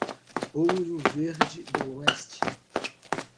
Ouro Verde do Oeste